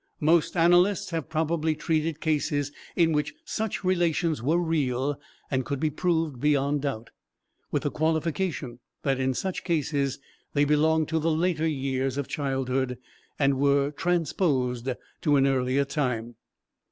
Most analysts have probably treated cases in which such relations were real and could be proved beyond doubt, with the qualification that in such cases they belong to the later years of childhood and were transposed to an earlier time.